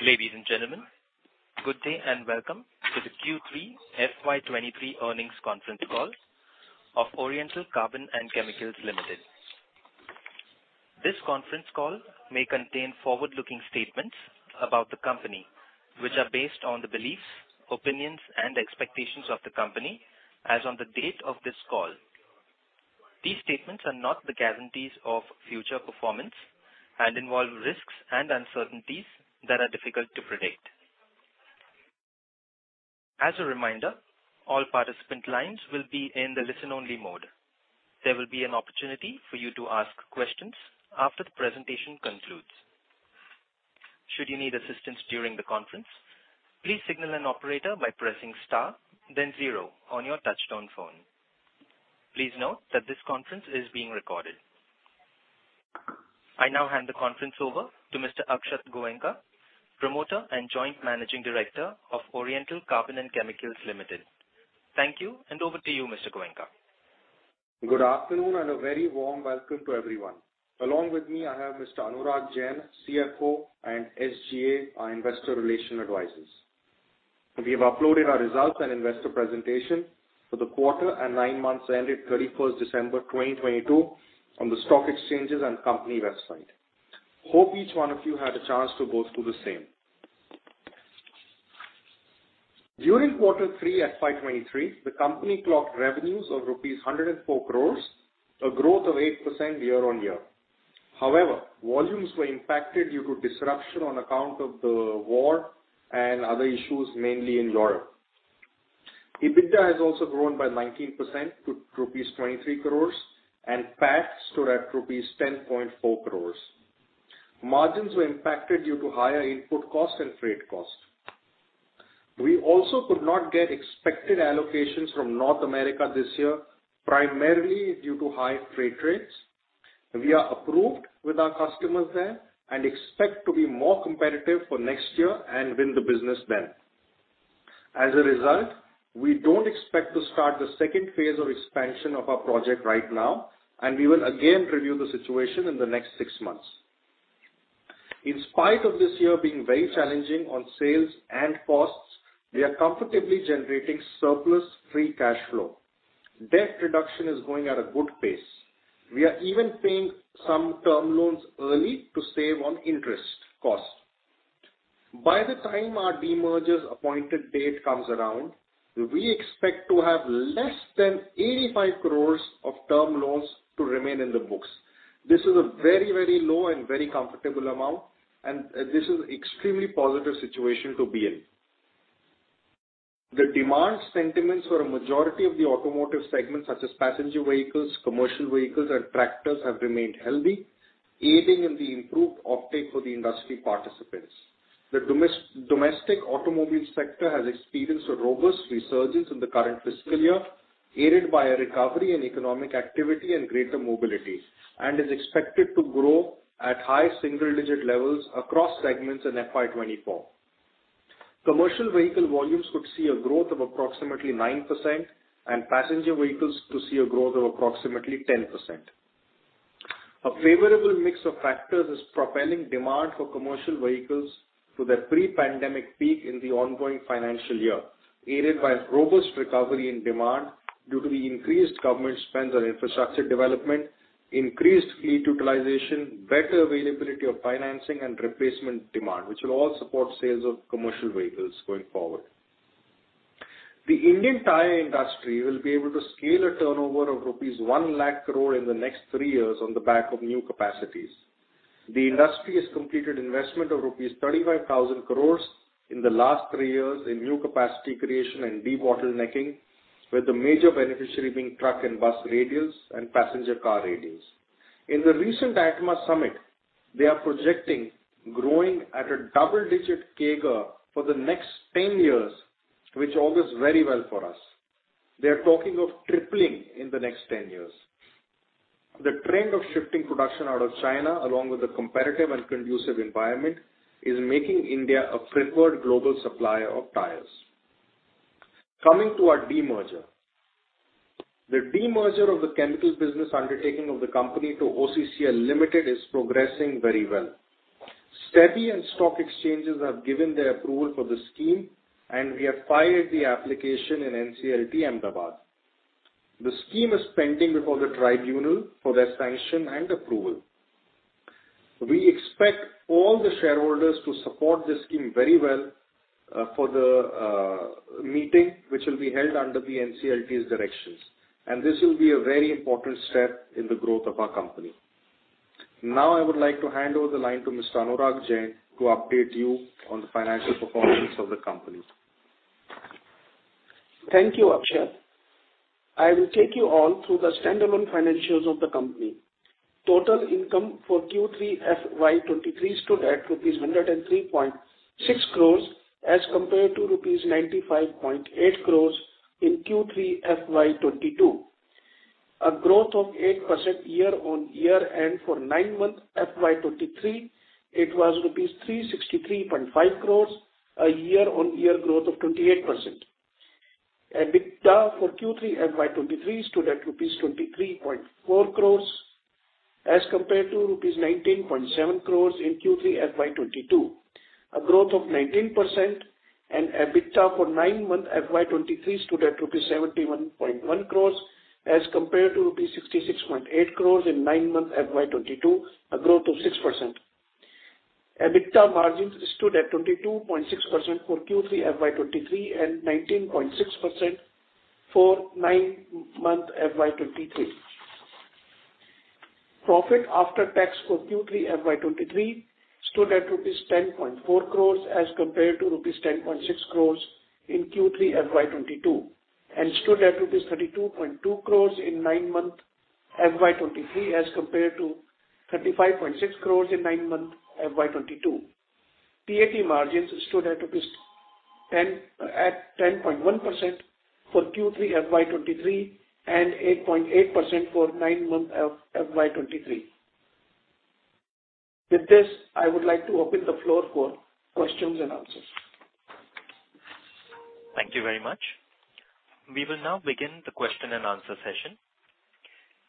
Ladies and gentlemen, good day and welcome to the Q3 FY23 Earnings Conference Call of Oriental Carbon & Chemicals Limited. This conference call may contain forward-looking statements about the company which are based on the beliefs, opinions and expectations of the company as on the date of this call. These statements are not the guarantees of future performance and involve risks and uncertainties that are difficult to predict. As a reminder, all participant lines will be in the listen-only mode. There will be an opportunity for you to ask questions after the presentation concludes. Should you need assistance during the conference, please signal an operator by pressing star then zero on your touchtone phone. Please note that this conference is being recorded. I now hand the conference over to Mr. Akshat Goenka, Promoter and Joint Managing Director of Oriental Carbon & Chemicals Limited. Thank you, over to you, Mr. Goenka. Good afternoon and a very warm welcome to everyone. Along with me, I have Mr. Anurag Jain, CFO, and SGA, our investor relation advisors. We have uploaded our results and investor presentation for the quarter and nine months ended 31st December 2022 on the stock exchanges and company website. Hope each one of you had a chance to go through the same. During Q3 FY23, the company clocked revenues of rupees 104 crores, a growth of 8% year-on-year. However, volumes were impacted due to disruption on account of the war and other issues, mainly in Europe. EBITDA has also grown by 19% to rupees 23 crores and PAT stood at rupees 10.4 crores. Margins were impacted due to higher input costs and freight costs. We also could not get expected allocations from North America this year, primarily due to high freight rates. We are approved with our customers there and expect to be more competitive for next year and win the business then. We don't expect to start the second phase of expansion of our project right now, and we will again review the situation in the next six months. In spite of this year being very challenging on sales and costs, we are comfortably generating surplus free cash flow. Debt reduction is going at a good pace. We are even paying some term loans early to save on interest cost. By the time our demerger's appointed date comes around, we expect to have less than 85 crores of term loans to remain in the books. This is a very low and very comfortable amount. This is extremely positive situation to be in. The demand sentiments for a majority of the automotive segments such as passenger vehicles, commercial vehicles and tractors have remained healthy, aiding in the improved offtake for the industry participants. The domestic automobile sector has experienced a robust resurgence in the current fiscal year, aided by a recovery in economic activity and greater mobility, and is expected to grow at high single-digit levels across segments in FY 2024. Commercial vehicle volumes could see a growth of approximately 9% and passenger vehicles to see a growth of approximately 10%. A favorable mix of factors is propelling demand for commercial vehicles to their pre-pandemic peak in the ongoing financial year, aided by a robust recovery in demand due to the increased government spends on infrastructure development, increased fleet utilization, better availability of financing and replacement demand, which will all support sales of commercial vehicles going forward. The Indian tyre industry will be able to scale a turnover of rupees 1 lakh crore in the next three years on the back of new capacities. The industry has completed investment of 35,000 crores rupees in the last three years in new capacity creation and debottlenecking, with the major beneficiary being truck and bus radials and passenger car radials. In the recent ATMA summit, they are projecting growing at a double-digit CAGR for the next 10 years, which augurs very well for us. They are talking of tripling in the next 10 years. The trend of shifting production out of China, along with the competitive and conducive environment, is making India a preferred global supplier of tires. Coming to our demerger. The demerger of the chemical business undertaking of the company to OCCL Limited is progressing very well. SEBI and stock exchanges have given their approval for the scheme and we have filed the application in NCLT, Ahmedabad. The scheme is pending before the tribunal for their sanction and approval. We expect all the shareholders to support the scheme very well, for the meeting which will be held under the NCLT's directions, and this will be a very important step in the growth of our company. Now I would like to hand over the line to Mr. Anurag Jain to update you on the financial performance of the company. Thank you, Akshat. I will take you all through the standalone financials of the company. Total income for Q3 FY 2023 stood at rupees 103.6 crores as compared to rupees 95.8 crores in Q3 FY 2022, a growth of 8% year-on-year. For nine months FY2023, it was rupees 363.5 crores, a year-on-year growth of 28%. EBITDA for Q3 FY 2023 stood at rupees 23.4 crores as compared to rupees 19.7 crores in Q3 FY 2022, a growth of 19%. EBITDA for nine-month FY 2023 stood at rupees 71.1 crores as compared to rupees 66.8 crores in nine-month FY 2022, a growth of 6%. EBITDA margins stood at 22.6% for Q3 FY 2023 and 19.6% for nine-month FY 2023. Profit after tax for Q3 FY2023 stood at rupees 10.4 crores as compared to rupees 10.6 crores in Q3 FY2022, and stood at rupees 32.2 crores in nine-month FY2023 as compared to 35.6 crores in nine-month FY2022. PAT margins stood at 10.1% for Q3 FY2023 and 8.8% for nine-month FY2023. With this, I would like to open the floor for questions and answers. Thank you very much. We will now begin the question and answer session.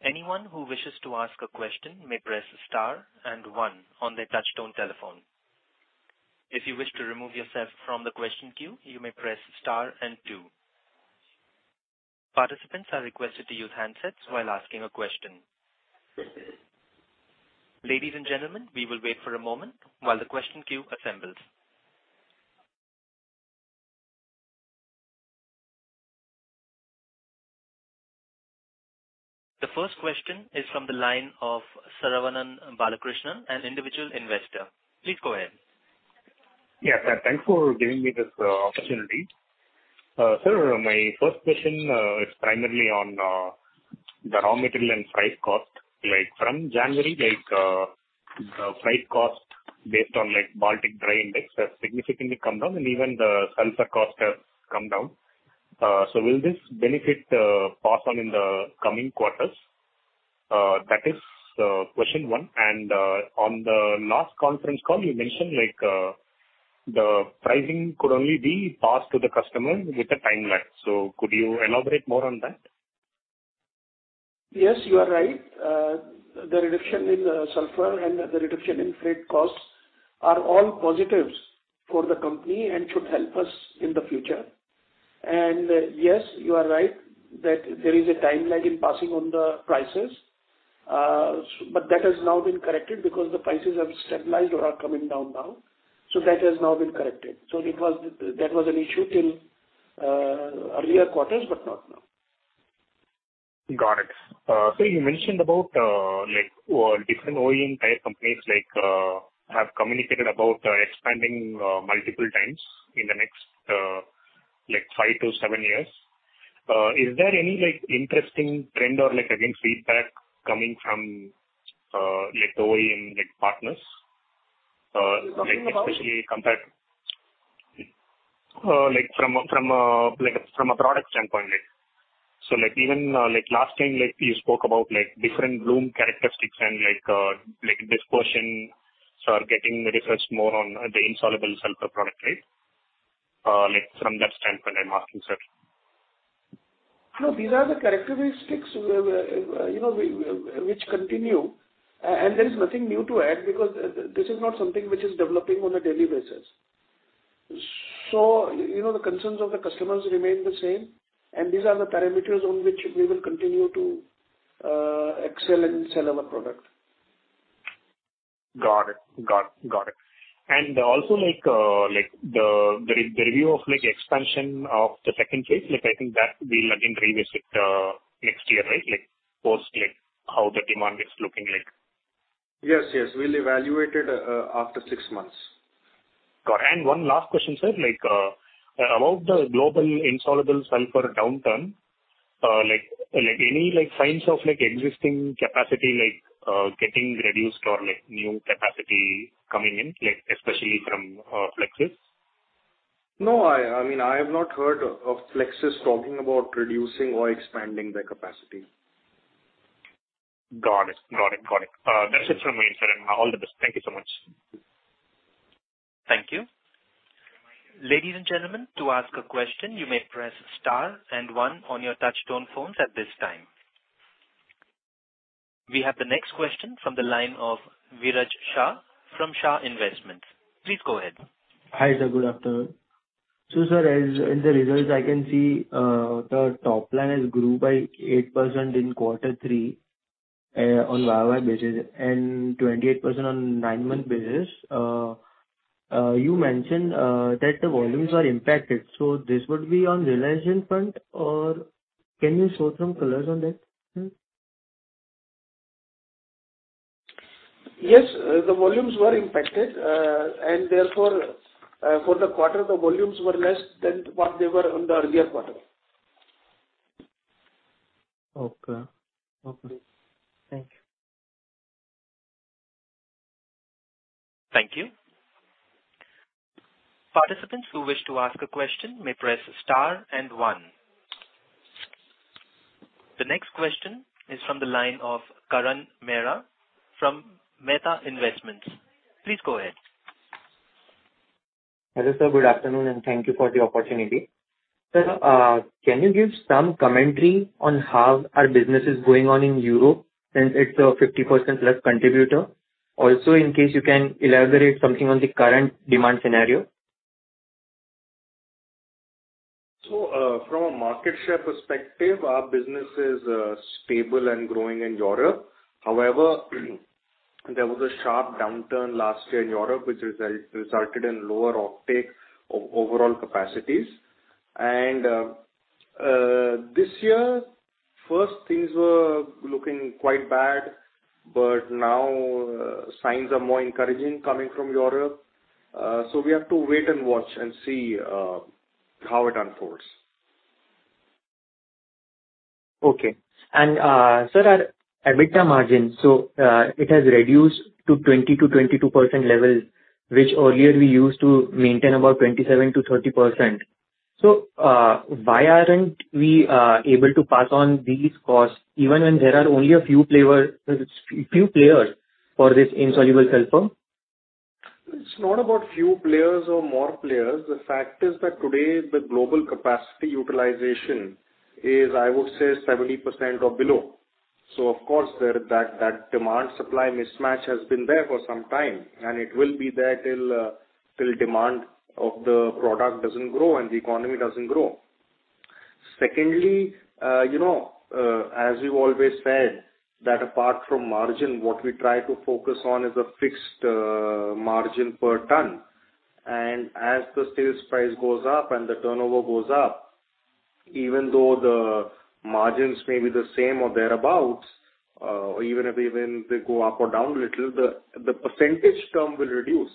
Anyone who wishes to ask a question may press star and one on their touchtone telephone. If you wish to remove yourself from the question queue you may press star and two. Participants are requested to use handsets while asking a question. Ladies and gentlemen, we will wait for a moment while the question queue assembles. The first question is from the line of Saravanan Balakrishnan, an individual investor. Please go ahead. Yeah. Sir, thanks for giving me this opportunity. Sir, my first question is primarily on the raw material and freight cost. Like, from January, like, the freight cost based on, like, Baltic Dry Index has significantly come down, and even the sulfur cost has come down. Will this benefit pass on in the coming quarters? That is question one. On the last conference call you mentioned, like, the pricing could only be passed to the customer with a timeline. Could you elaborate more on that? Yes, you are right. The reduction in the sulfur and the reduction in freight costs are all positives for the company and should help us in the future. Yes, you are right that there is a timeline in passing on the prices. That has now been corrected because the prices have stabilized or are coming down now. That has now been corrected. That was an issue till earlier quarters, but not now. Got it. you mentioned about, like, different OEM tire companies, like, have communicated about expanding, multiple times in the next, like five-sevenyears. is there any, like, interesting trend or, like, again, feedback coming from, like the OEM, like, partners? Sorry, coming from? Like, especially compared... like from a product standpoint. Like, even, like last time, like you spoke about, like different bloom characteristics and like dispersion. Are getting the research more on the insoluble sulphur product, right? Like from that standpoint, I'm asking, sir. No, these are the characteristics, you know, which continue. There is nothing new to add because this is not something which is developing on a daily basis. You know, the concerns of the customers remain the same, and these are the parameters on which we will continue to excel and sell our product. Got it. Also like the review of the expansion of the second phase, like I think that we'll again revisit next year, right? Like post, like how the demand is looking like. Yes. We'll evaluate it after six months. Got it. One last question, sir. Like, about the global insoluble sulphur downturn, like any signs of like existing capacity like, getting reduced or like new capacity coming in, like especially from, Flexsys? No, I mean, I have not heard of Flexsys talking about reducing or expanding their capacity. Got it. That's it from me, sir. All the best. Thank you so much. Thank you. Ladies and gentlemen, to ask a question, you may press star and one on your touchtone phones at this time. We have the next question from the line of Viraj Shah from Shah Investments. Please go ahead. Hi, sir. Good afternoon. sir, as in the results I can see, the top line has grew by 8% in quarter three, on YOY basis and 28% on nine-month basis. you mentioned that the volumes are impacted, so this would be on Reliance front or can you throw some colors on that, sir? Yes. The volumes were impacted. Therefore, for the quarter, the volumes were less than what they were on the earlier quarter. Okay. Thank you. Thank you. Participants who wish to ask a question may press star and one. The next question is from the line of Karan Mehra from Mehta Investments. Please go ahead. Hello, sir. Good afternoon, and thank you for the opportunity. Sir, can you give some commentary on how our business is going on in Europe since it's a 50% plus contributor? Also, in case you can elaborate something on the current demand scenario. From a market share perspective, our business is stable and growing in Europe. However, there was a sharp downturn last year in Europe, which resulted in lower offtake of overall capacities. This year, first things were looking quite bad, but now signs are more encouraging coming from Europe. We have to wait and watch and see how it unfolds. Sir, at EBITDA margin, it has reduced to 20%-22% levels, which earlier we used to maintain about 27%-30%. Why aren't we able to pass on these costs even when there are only a few players for this insoluble sulphur? It's not about few players or more players. The fact is that today the global capacity utilization is, I would say, 70% or below. Of course, that demand supply mismatch has been there for some time, and it will be there till demand of the product doesn't grow and the economy doesn't grow. Secondly, you know, as we've always said, that apart from margin, what we try to focus on is a fixed margin per ton. As the sales price goes up and the turnover goes up, even though the margins may be the same or thereabout, even if they go up or down a little, the percentage term will reduce.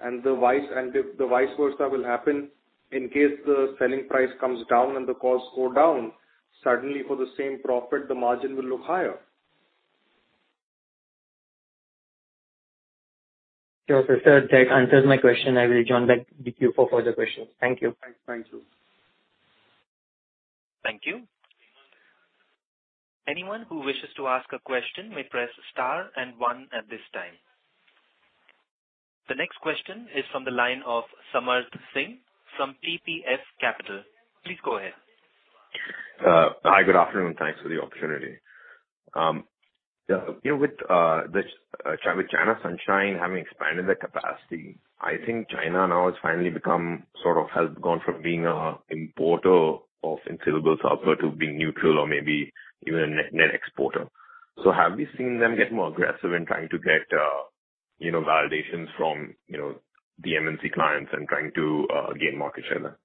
The vice versa will happen in case the selling price comes down and the costs go down. Suddenly for the same profit, the margin will look higher. Sure. Sir, that answers my question. I will join back the queue for further questions. Thank you. Thank you. Thank you. Anyone who wishes to ask a question may press star one at this time. The next question is from the line of Samarth Singh from TPF Capital. Please go ahead. Hi, good afternoon. Thanks for the opportunity. Yeah, with China Sunsine having expanded their capacity, I think China now has finally become sort of has gone from being a importer of insoluble sulphur to being neutral or maybe even a net exporter. Have you seen them get more aggressive in trying to get, you know, validations from the MNC clients and trying to gain market share there?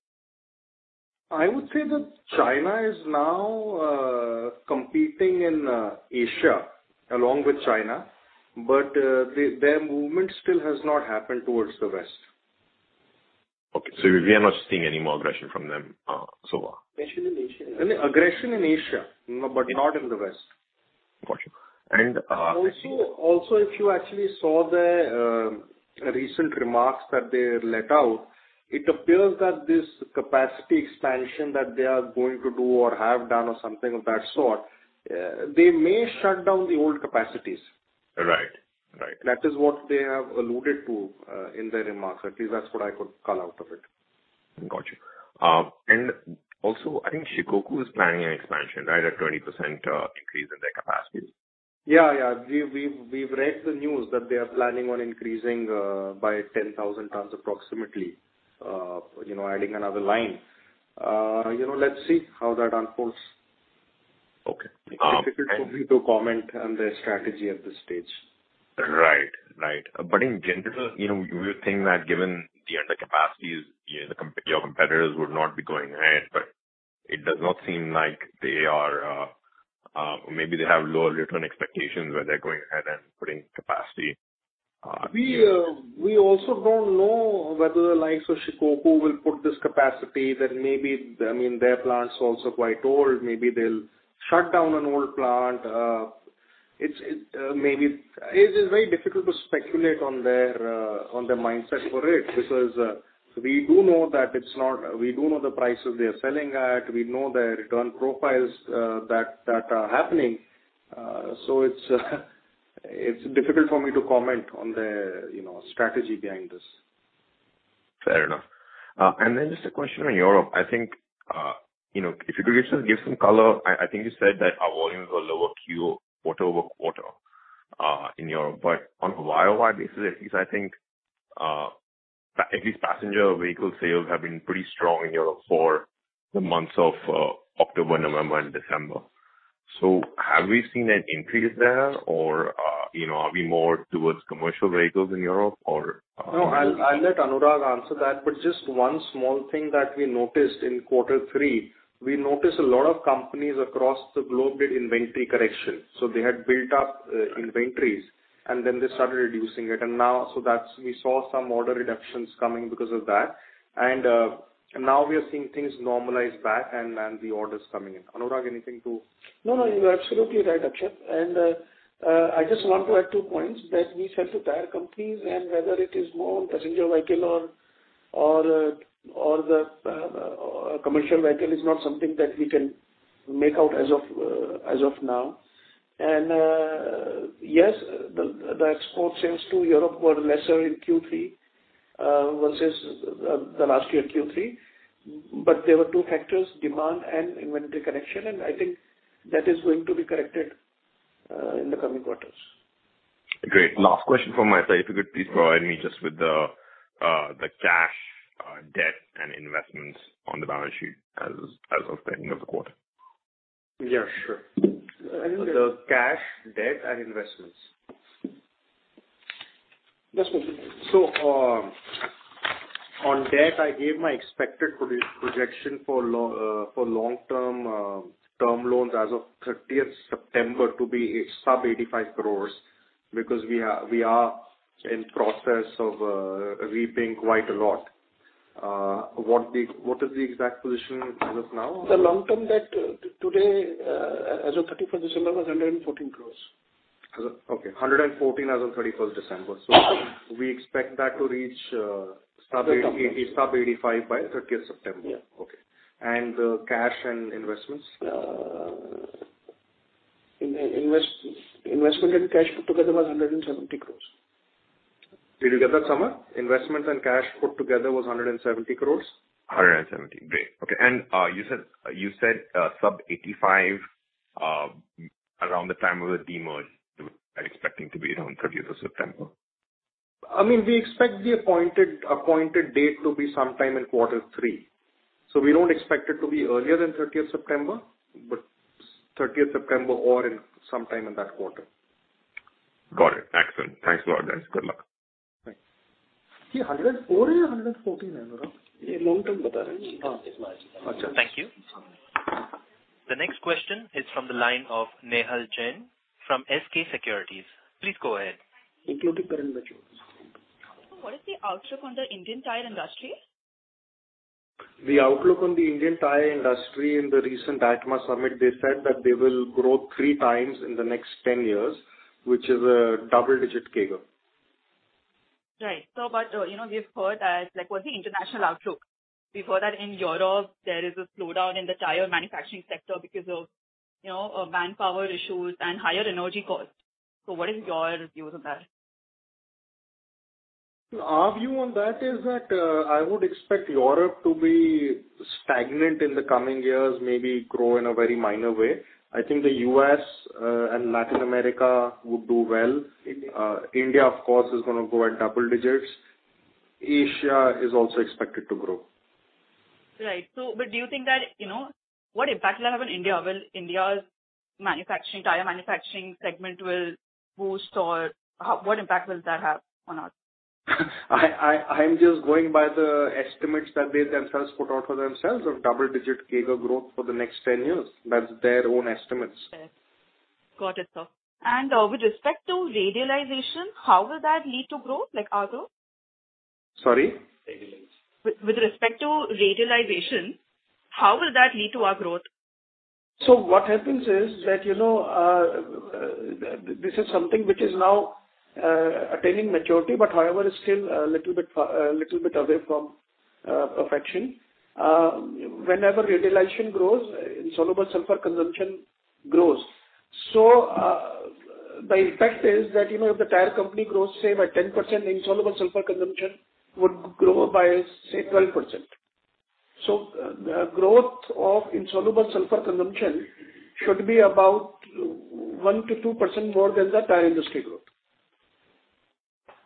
I would say that China is now competing in Asia along with China, but their movement still has not happened towards the West. Okay. We are not seeing any more aggression from them, so far. Aggression in Asia. I mean, aggression in Asia, no, but not in the West. Got you. If you actually saw their recent remarks that they let out, it appears that this capacity expansion that they are going to do or have done or something of that sort, they may shut down the old capacities. Right. Right. That is what they have alluded to, in their remarks. At least that's what I could call out of it. Got you. Also, I think Shikoku is planning an expansion, right, a 20% increase in their capacity. Yeah, yeah. We've read the news that they are planning on increasing by 10,000 tons approximately, you know, adding another line. You know, let's see how that unfolds. Okay. Difficult for me to comment on their strategy at this stage. Right. Right. In general, you know, you would think that given the undercapacity is your competitors would not be going ahead, but it does not seem like they are, maybe they have lower return expectations where they're going ahead and putting capacity, here. We also don't know whether the likes of Shikoku will put this capacity. Maybe, I mean, their plant's also quite old. Maybe they'll shut down an old plant. Maybe it's very difficult to speculate on their on their mindset for it because we do know the prices they are selling at. We know their return profiles that are happening. So it's difficult for me to comment on their, you know, strategy behind this. Fair enough. Just a question on Europe. I think, you know, if you could just give some color. I think you said that our volumes are lower quarter-over-quarter in Europe. On a YOY basis, at least I think, at least passenger vehicle sales have been pretty strong in Europe for the months of October, November and December. Have we seen an increase there or, you know, are we more towards commercial vehicles in Europe? No, I'll let Anurag answer that, but just one small thing that we noticed in quarter three, we noticed a lot of companies across the globe did inventory correction. They had built up inventories and then they started reducing it. Now, that's, we saw some order reductions coming because of that. Now we are seeing things normalize back and the orders coming in. Anurag, anything to? No, you're absolutely right, Akshay. I just want to add two points, that we sell to tire companies and whether it is more passenger vehicle or the commercial vehicle is not something that we can make out as of now. Yes, the export sales to Europe were lesser in Q3 versus the last year Q3. There were two factors, demand and inventory correction. I think that is going to be corrected in the coming quarters. Great. Last question from my side. If you could please provide me just with the the cash, debt and investments on the balance sheet as of the end of the quarter. Yeah, sure. I think- The cash, debt and investments. Yes. On debt, I gave my expected projection for long-term term loans as of 30th September to be sub 85 crores because we are in process of repaying quite a lot. What is the exact position as of now? The long-term debt today, as of 31st December, was 114 crores. Okay. 114 as of 31st December. We expect that to reach, sub 8- The term loans. sub 85 by 30th September. Yeah. Okay. Cash and investments? Investment and cash put together was 170 crores. Did you get that, Samrat? Investments and cash put together was 170 crores. 170. Great. Okay. You said, sub 85, around the time of the demerge are expecting to be around 30th of September. I mean, we expect the appointed date to be sometime in quarter three. We don't expect it to be earlier than thirtieth September, but thirtieth September or in sometime in that quarter. Got it. Excellent. Thanks a lot, guys. Good luck. Thanks. Thank you. The next question is from the line of Nehal Jain from SK Securities. Please go ahead. What is the outlook on the Indian tire industry? The outlook on the Indian tire industry in the recent ATMA summit, they said that they will grow three times in the next 10 years, which is a double-digit CAGR. Right. you know, we've heard that like what's the international outlook? We've heard that in Europe there is a slowdown in the tire manufacturing sector because of, you know, manpower issues and higher energy costs. What is your views on that? Our view on that is that, I would expect Europe to be stagnant in the coming years, maybe grow in a very minor way. I think the U.S., and Latin America would do well. India, of course, is gonna grow at double digits. Asia is also expected to grow. Right. Do you think that, you know, what impact will have on India? Will India's manufacturing, tire manufacturing segment will boost or what impact will that have on us? I'm just going by the estimates that they themselves put out for themselves of double-digit CAGR growth for the next 10 years. That's their own estimates. Yes. Got it, sir. With respect to radialization, how will that lead to growth? Like our growth. Sorry. Radialization. With respect to radialization, how will that lead to our growth? What happens is that, you know, this is something which is now attaining maturity, but however is still a little bit away from perfection. Whenever radialization grows, insoluble sulphur consumption grows. The effect is that, you know, if the tire company grows, say by 10%, the insoluble sulphur consumption would grow by, say, 12%. The growth of insoluble sulphur consumption should be about 1%-2% more than the tire industry growth.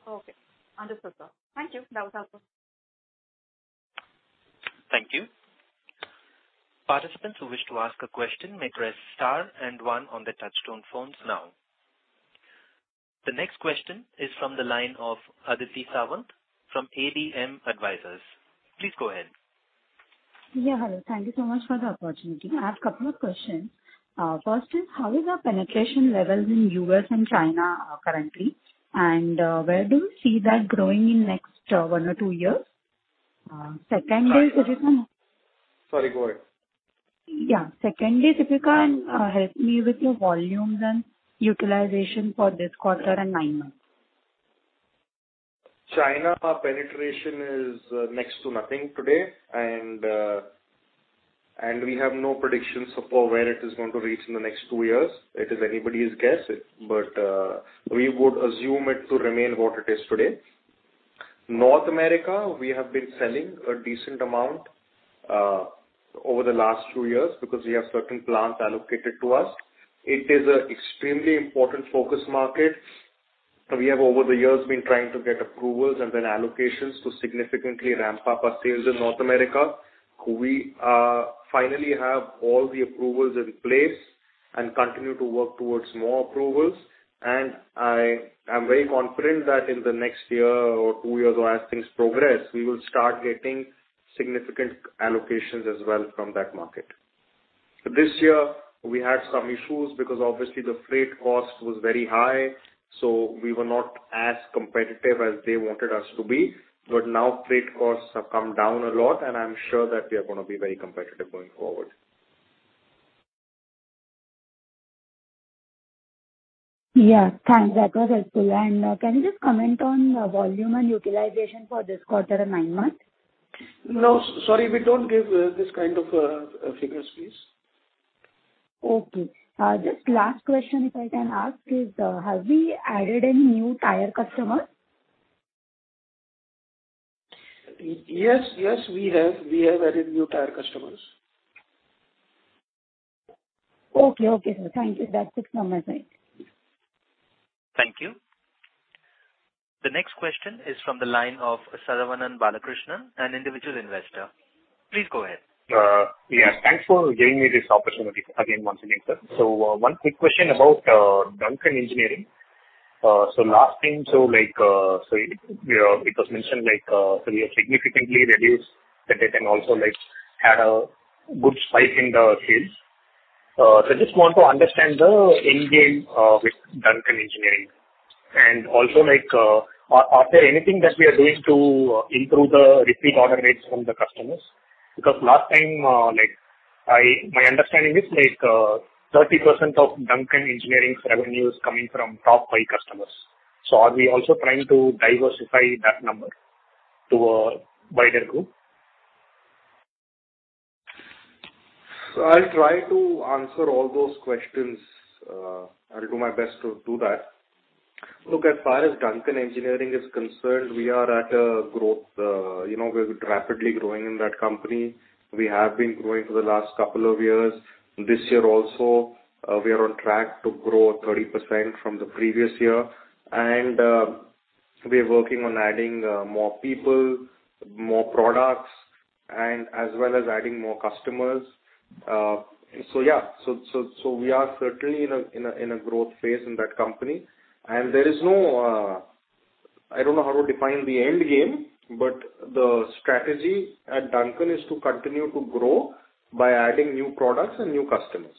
Okay. Understood, sir. Thank you. That was helpful. Thank you. Participants who wish to ask a question may press star and one on their touchtone phones now. The next question is from the line of Aditi Sawant from ADM Advisors. Please go ahead. Yeah, hello. Thank you so much for the opportunity. I have couple of questions. First is, how is our penetration levels in U.S. and China currently? Where do you see that growing in next one or two years? Second is, Sorry, go ahead. Yeah. Secondly, if you can help me with your volumes and utilization for this quarter and nine months? China, our penetration is next to nothing today. We have no predictions of for where it is going to reach in the next two years. It is anybody's guess. We would assume it to remain what it is today. North America, we have been selling a decent amount over the last two years because we have certain plants allocated to us. It is an extremely important focus market. We have over the years been trying to get approvals and then allocations to significantly ramp up our sales in North America. We finally have all the approvals in place and continue to work towards more approvals. I am very confident that in the next year or two years, or as things progress, we will start getting significant allocations as well from that market. This year we had some issues because obviously the freight cost was very high, so we were not as competitive as they wanted us to be. Now freight costs have come down a lot, and I'm sure that we are gonna be very competitive going forward. Yeah. Thanks. That was helpful. Can you just comment on volume and utilization for this quarter and nine months? No. Sorry, we don't give this kind of figures, please. Okay. Just last question, if I can ask, is, have we added any new tire customer? Yes, we have. We have added new tire customers. Okay. Okay, sir. Thank you. That's it from my side. Thank you. The next question is from the line of Saravanan Balakrishnan, an individual investor. Please go ahead. Yes. Thanks for giving me this opportunity again once again, sir. One quick question about Duncan Engineering. Last time, you know, it was mentioned you have significantly reduced the debt and also like had a good spike in the sales. Just want to understand the endgame with Duncan Engineering. Are there anything that we are doing to improve the repeat order rates from the customers? Last time, my understanding is like, 30% of Duncan Engineering's revenue is coming from top five customers. Are we also trying to diversify that number to a wider group? I'll try to answer all those questions. I'll do my best to do that. Look, as far as Duncan Engineering is concerned, we are at a growth we're rapidly growing in that company. We have been growing for the last couple of years. This year also, we are on track to grow 30% from the previous year. We are working on adding more people, more products and as well as adding more customers. Yeah. We are certainly in a growth phase in that company. There is no, I don't know how to define the endgame, but the strategy at Duncan is to continue to grow by adding new products and new customers.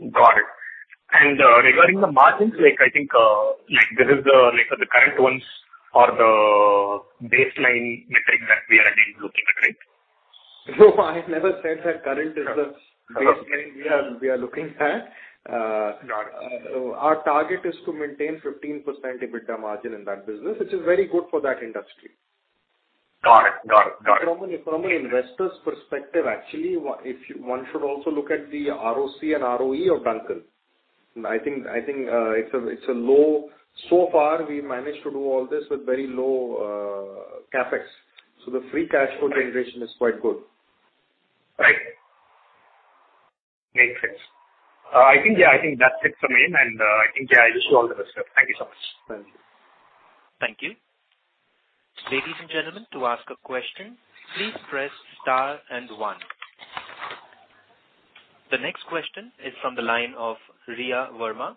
Got it. regarding the margins, like, I think, like this is the, like, the current ones or the baseline metric that we are looking at, right? No, I've never said that current is. Yeah. baseline we are looking at. Got it. Our target is to maintain 15% EBITDA margin in that business, which is very good for that industry. Got it From an investor's perspective, actually, one should also look at the ROC and ROE of Duncan. I think, So far we managed to do all this with very low CapEx. The free cash flow generation is quite good. Right. Makes sense. I think that's it from me. I think, yeah, I wish you all the best, sir. Thank you so much. Thank you. Thank you. Ladies and gentlemen, to ask a question, please press star and one. The next question is from the line of Riya Verma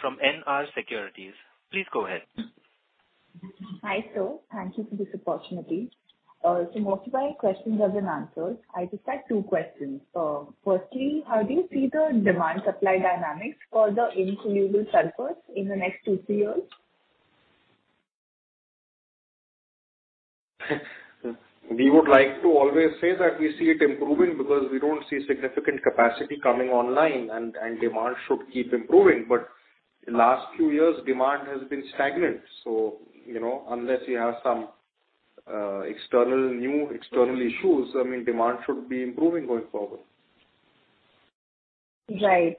from NRI Securities. Please go ahead. Hi. So thank you for this opportunity. Most of my questions have been answered. I just had two questions. Firstly, how do you see the demand supply dynamics for the insoluble sulphurs in the next two, three years? We would like to always say that we see it improving because we don't see significant capacity coming online and demand should keep improving. Last few years demand has been stagnant. Unless you have some external, new external issues, I mean, demand should be improving going forward. Right.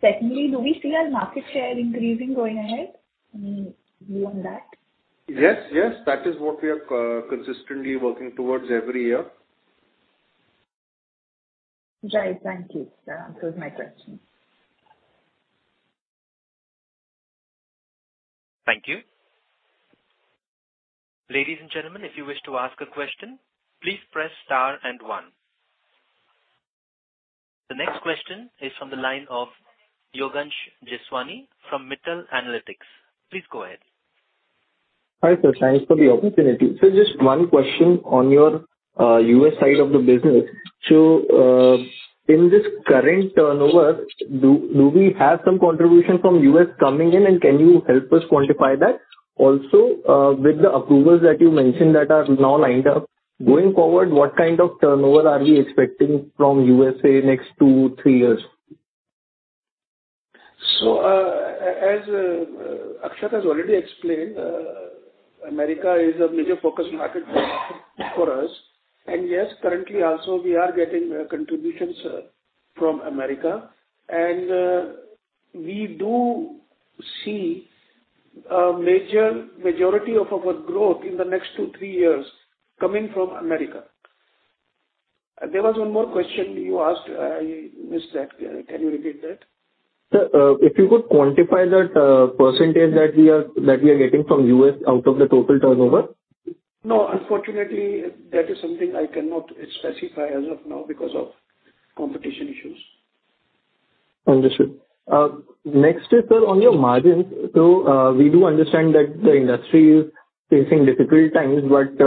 Secondly, do we see our market share increasing going ahead? I mean, view on that? Yes, that is what we are co-consistently working towards every year. Right. Thank you. That answers my question. Thank you. Ladies and gentlemen, if you wish to ask a question, please press star and one. The next question is from the line of Yogansh Jeswani from Mittal Analytics. Please go ahead. Hi, sir. Thanks for the opportunity. Just one question on your U.S. side of the business. In this current turnover, do we have some contribution from U.S. coming in, and can you help us quantify that? With the approvals that you mentioned that are now lined up, going forward, what kind of turnover are we expecting from U.S.A. next two, three years? As Akshat has already explained, America is a major focus market for us. Yes, currently also we are getting contributions from America. We do see a majority of our growth in the next two, three years coming from America. There was one more question you asked. I missed that. Can you repeat that? Sir, if you could quantify that, % that we are getting from US out of the total turnover? No, unfortunately, that is something I cannot specify as of now because of competition issues. Understood. Next is, sir, on your margins. We do understand that the industry is facing difficult times, but,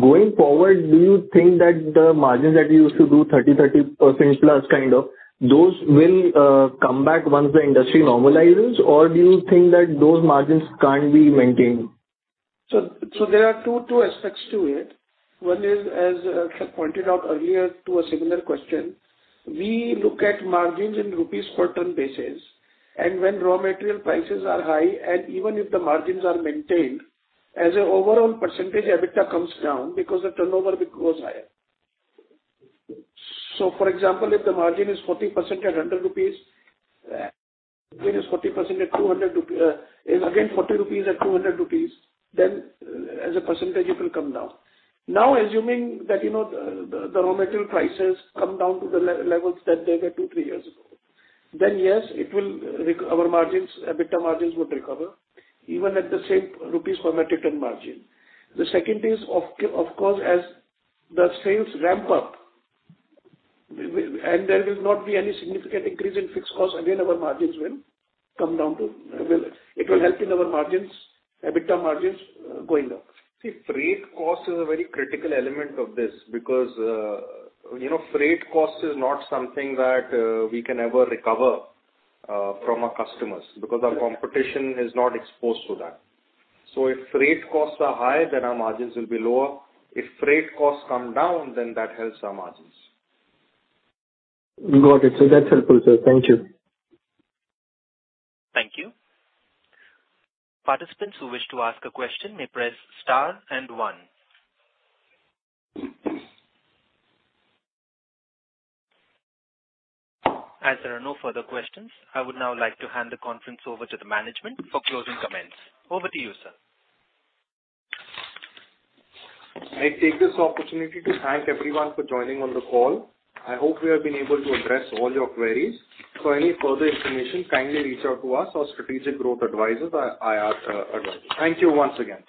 going forward, do you think that the margins that you used to do, 30% plus kind of, those will come back once the industry normalizes? Or do you think that those margins can't be maintained? There are two aspects to it. One is, as pointed out earlier to a similar question. We look at margins in rupees per ton basis, and when raw material prices are high, and even if the margins are maintained, as an overall percentage, EBITDA comes down because the turnover goes higher. For example, if the margin is 40% at 100 rupees, it is 40% at 200 rupees. Is again 40 rupees at 200 rupees, then as a percentage, it will come down. Assuming that, you know, the raw material prices come down to the levels that they were two, three years ago, then yes, it will recover. Our margins, EBITDA margins would recover even at the same rupees per metric ton margin. The second is of course, as the sales ramp up, there will not be any significant increase in fixed costs, again, it will help in our margins, EBITDA margins going up. Freight cost is a very critical element of this because, you know, freight cost is not something that we can ever recover from our customers because our competition is not exposed to that. If freight costs are high, then our margins will be lower. If freight costs come down, then that helps our margins. Got it. That's helpful, sir. Thank you. Thank you. Participants who wish to ask a question may press Star and One. There are no further questions, I would now like to hand the conference over to the management for closing comments. Over to you, sir. I take this opportunity to thank everyone for joining on the call. I hope we have been able to address all your queries. For any further information, kindly reach out to us or Strategic Growth Advisors at IR, advisors. Thank you once again.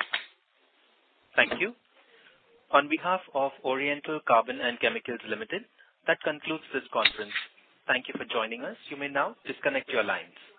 Thank you. On behalf of Oriental Carbon & Chemicals Limited, that concludes this conference. Thank you for joining us. You may now disconnect your lines.